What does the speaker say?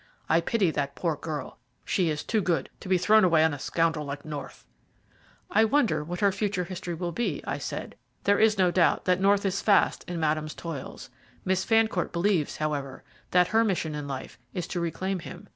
I pity that poor girl; she is too good to be thrown away on a scoundrel like North." "I wonder what her future history will be," I said. "There is no doubt that North is fast in Madame's toils. Miss Fancourt believes, however, that her mission in life is to reclaim him.